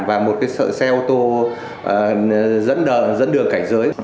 và một xe ô tô dẫn đường cảnh giới